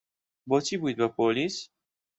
بۆچی بوویت بە پۆلیس؟